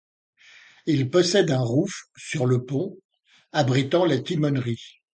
Il possède un rouf sur le pont abritant la timonerie.